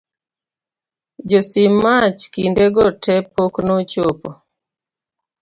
josim mach kinde go te pok nochopo